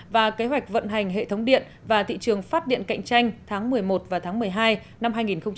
và kế hoạch vận hành hệ thống điện và thị trường phát điện cạnh tranh tháng một mươi một và tháng một mươi hai năm hai nghìn hai mươi